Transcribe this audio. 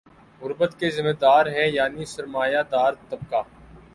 غربت کے ذمہ دار ہیں یعنی سر ما یہ دار طبقہ